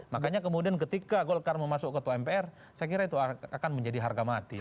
makanya kemudian ketika golkar memasuk ketua mpr saya kira itu akan menjadi hal yang penting